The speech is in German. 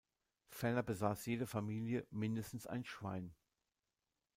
Ferner besass jede Familie mindestens ein Schwein.